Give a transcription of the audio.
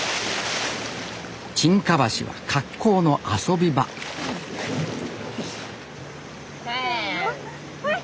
沈下橋は格好の遊び場せの！